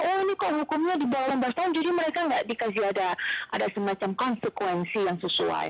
oh ini kok hukumnya di bawah enam belas tahun jadi mereka nggak dikasih ada semacam konsekuensi yang sesuai